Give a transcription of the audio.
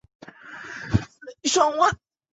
林爽文红花介为鱼形介科红花介属下的一个种。